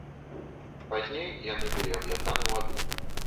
Пазней яны былі аб'яднаны ў адну.